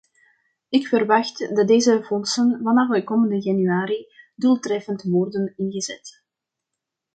Ik verwacht dat deze fondsen vanaf komende januari doeltreffend worden ingezet.